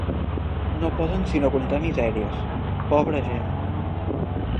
No poden sinó contar misèries, pobra gent!